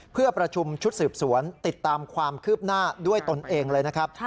เพื่อประชุมชุดสืบสวนติดตามความคืบหน้าด้วยตนเองเลยนะครับ